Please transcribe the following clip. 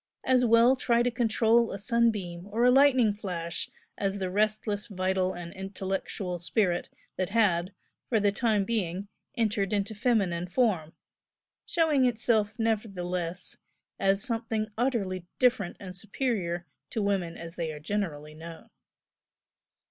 As well try to control a sunbeam or a lightning flash as the restless vital and intellectual spirit that had, for the time being, entered into feminine form, showing itself nevertheless as something utterly different and superior to women as they are generally known.